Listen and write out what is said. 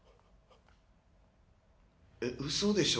えっ嘘でしょ？